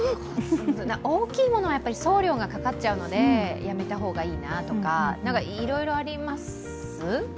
大きいものは送料がかかっちゃうのでやめた方がいいなとか、いろいろあります？